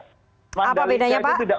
apa bedanya pak